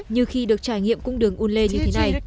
như khi được trải nghiệm cung đường ulleh như thế này